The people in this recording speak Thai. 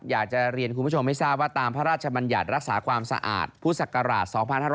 อยากจะเรียนคุณผู้ชมให้ทราบว่าตามพระราชบัญญัติรักษาความสะอาดพุทธศักราช๒๕๖๐